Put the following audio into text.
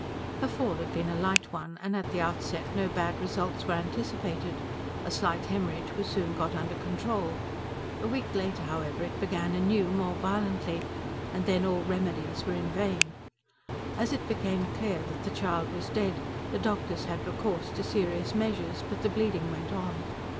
Her fall had been a light one, and at the outset no bad results were anticipated: a slight haemorrhage was soon got under control. A week later, however, it began anew, more violently, and then all remedies were in vain. As it became clear that the child was dead, the doctors had recourse to serious measures. But the bleeding went on.